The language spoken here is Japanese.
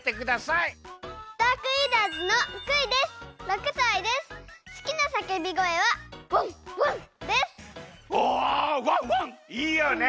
いいよね。